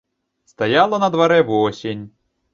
Стаяла на дварэ восень.